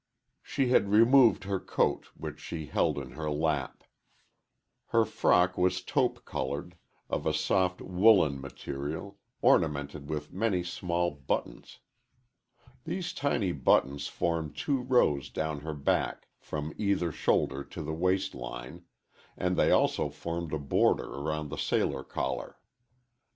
She had removed her coat, which she held in her lap. Her frock was taupe colored, of a soft woolen material, ornamented with many small buttons. These tiny buttons formed two rows down her back, from either shoulder to the waist line, and they also formed a border round the sailor collar.